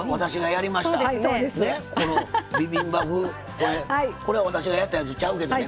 これこれ私がやったやつちゃうけどね。